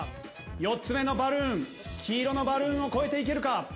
４つ目のバルーン黄色のバルーンを越えていけるか？